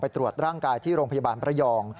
ตรวจร่างกายที่โรงพยาบาลประยอง